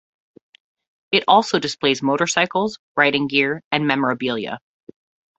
It also displays motorcycles, riding gear, and memorabilia.